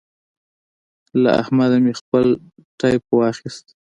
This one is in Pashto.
له احمده مې خپل ټپ واخيست.